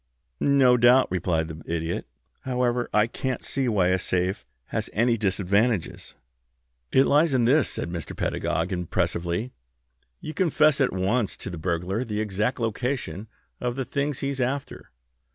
"No doubt," replied the Idiot. "However, I can't see why a safe has any disadvantages." "It lies in this," said Mr. Pedagog, impressively. "You confess at once to the burglar the exact location of the things he's after.